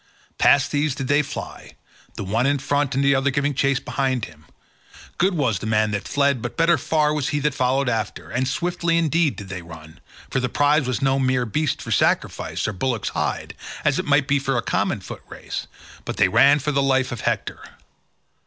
Past these did they fly, the one in front and the other giving chase behind him: good was the man that fled, but better far was he that followed after, and swiftly indeed did they run, for the prize was no mere beast for sacrifice or bullock's hide, as it might be for a common foot race, but they ran for the life of Hector.